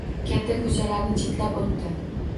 Katta ko‘chalarni chetlab o’tdi